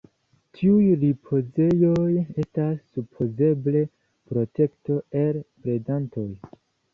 Tiuj ripozejoj estas supozeble protekto el predantoj.